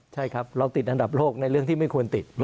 ใช่ครับเราติดอันดับโลกในเรื่องที่ไม่ควรติด